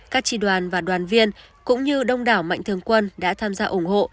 các tri đoàn và đoàn viên cũng như đông đảo mạnh thường quân đã tham gia ủng hộ